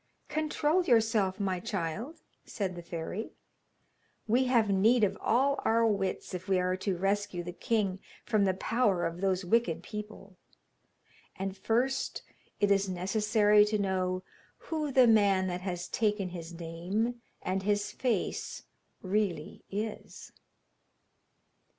'Control yourself, my child,' said the fairy. 'We have need of all our wits if we are to rescue the king from the power of those wicked people. And first it is necessary to know who the man that has taken his name and his face really is.'